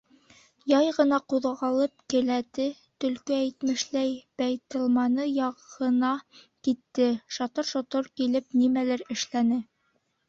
Яй ғына ҡуҙғалып, келәте, төлкө әйтмешләй, бәйтелмалы яғына китте, шатыр-шотор килеп, нимәлер эшләне.